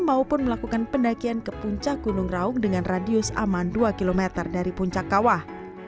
maupun melakukan pendakian ke puncak gunung raung dengan radius aman dua km dari puncak kawah